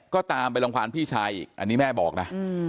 ก็ตามไปรังความพี่ชายอีกอันนี้แม่บอกนะ